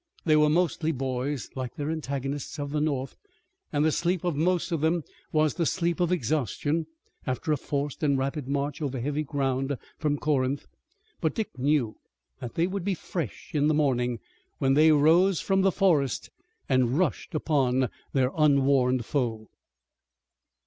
They were mostly boys, like their antagonists of the North, and the sleep of most of them was the sleep of exhaustion, after a forced and rapid march over heavy ground from Corinth. But Dick knew that they would be fresh in the morning when they rose from the forest, and rushed upon their unwarned foe.